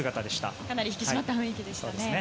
かなり引き締まった雰囲気でしたね。